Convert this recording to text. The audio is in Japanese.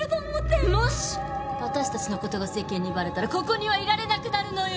もし私たちの事が世間にバレたらここにはいられなくなるのよ。